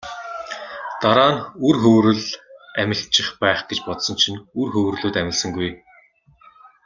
Дараа нь үр хөврөл амилчих байх гэж бодсон чинь үр хөврөлүүд амилсангүй.